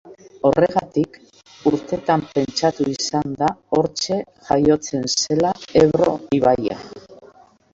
Horregatik, urtetan pentsatu izan da hortxe jaiotzen zela Ebro ibaia.